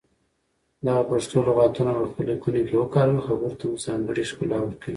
دغه پښتو لغتونه په خپلو ليکنو کې وکاروئ خبرو ته مو ځانګړې ښکلا ورکوي.